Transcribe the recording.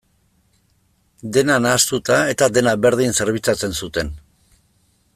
Dena nahastuta eta dena berdin zerbitzatzen zuten.